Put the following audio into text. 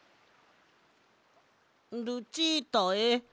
「ルチータへ。